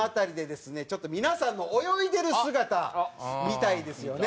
ちょっと皆さんの泳いでる姿見たいですよね。